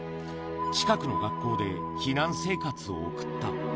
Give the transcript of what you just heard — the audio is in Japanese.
近くの学校で避難生活を送った。